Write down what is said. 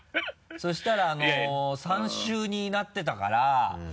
そしたら３週になってたから。